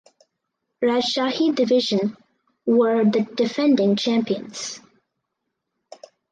Rajshahi Division were the defending champions.